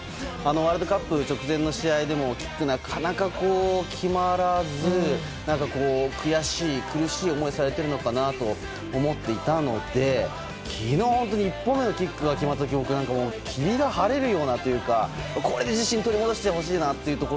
ワールドカップ直前の試合でもキック、なかなか決まらず悔しい、苦しい思いをされているのかなと思っていたので、昨日１本目のキックが決まった時霧が晴れるようなというかこれで自信を取り戻してほしいなというか。